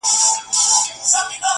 ما ویل زه به ستا د شپې په زړه کي!